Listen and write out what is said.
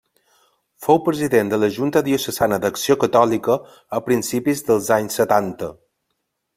Fou president de la Junta Diocesana d'Acció Catòlica, a principis dels anys setanta.